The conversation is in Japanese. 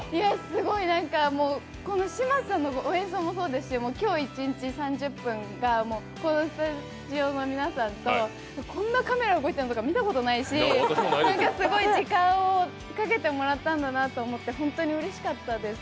すごいなんかもう、この曲もそうですし、今日一日、３０分がこのスタジオの皆さんと、こんなカメラ動いてるのとか見たことないし、すごい時間をかけてもらったんだなと思って本当にうれしかったです。